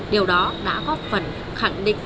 điều đó đã góp phần khẳng định